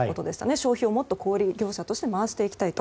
消費をもっと小売り業者として回していきたいと。